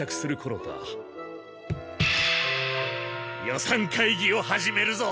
予算会議を始めるぞ！